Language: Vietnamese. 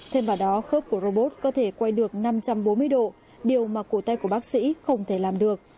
thêm vào đó khớp của robot có thể quay được năm trăm bốn mươi độ điều mà cổ tay của bác sĩ không thể làm được